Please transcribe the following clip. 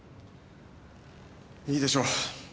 いいでしょう。